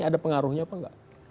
ada pengaruhnya apa enggak